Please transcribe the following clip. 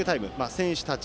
選手たち